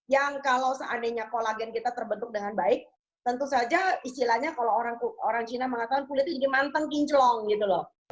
yang kalau seandainya kolagen kita terbentuk dengan baik tentu saja istilahnya kalau orang cina mengatakan kulitnya jadi manteng kinclong gitu loh